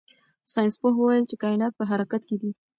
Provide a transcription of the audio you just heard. ساینس پوه وویل چې کائنات په حرکت کې دي.